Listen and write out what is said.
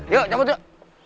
yuk cabut yuk